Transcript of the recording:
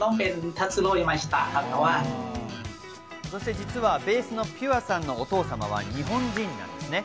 そして実はベースのＰＵＲＥさんのお父様は日本人なんです。